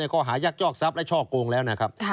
ข้อหายักยอกทรัพย์และช่อโกงแล้วนะครับ